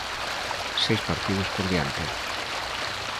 Seis partidos por diante.